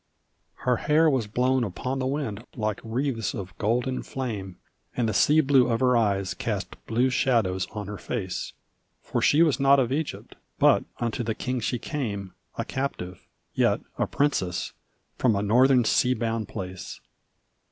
Her hair was blown upon the wind like wreathes of golden flame, And the sea blue of her eyes cast blue shadows on her face, For she was not of Egypt but unto the king she came A captive yet a princess from a northern sea bound place.